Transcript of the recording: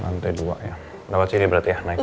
lantai dua ya dapat sini berarti ya naik ya